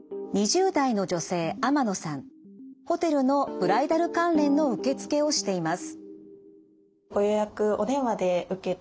ホテルのブライダル関連の受け付けをしています。